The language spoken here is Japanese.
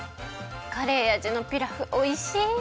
カレーあじのピラフおいしい！